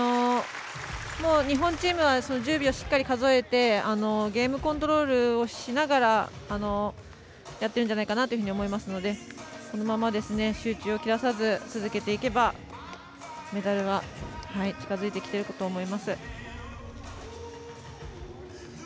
日本チームは１０秒しっかり数えてゲームコントロールをしながらやっているんじゃないかなと思いますのでそのまま集中を切らさずに続けていけばメダルが近づいてきていると思います。